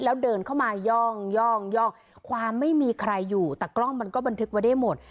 แล้วเดินเข้ามาย่องย่องความไม่มีใครอยู่แต่กล้องมันก็บันทึกไว้ได้หมด